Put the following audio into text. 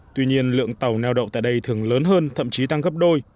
tuy nhiên lượng tàu neo đậu tại đây thường lớn hơn thậm chí tăng gấp đôi